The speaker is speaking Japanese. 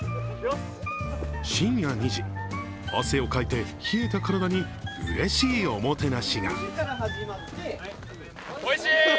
深夜２時、汗をかいて冷えた体にうれしいおもてなしが。